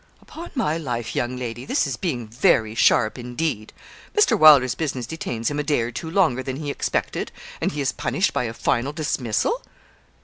'Upon my life, young lady, this is being very sharp, indeed. Mr. Wylder's business detains him a day or two longer than he expected, and he is punished by a final dismissal!'